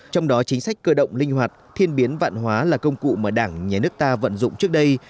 trong đó chính sách cơ động linh hoạt thiên biến vạn hóa là công cụ mà đảng nhà nước ta vận dụng trước đây